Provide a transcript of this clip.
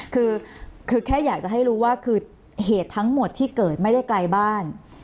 คือแค่อยากจะให้รู้ว่าคือเหตุทั้งหมดที่เกิดไม่ได้ไกลบ้าน